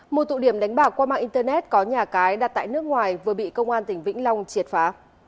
một tụ điểm đánh bạc qua mạng internet có nhà cái đặt tại nước ngoài vừa bị công an tỉnh vĩnh long triệt phá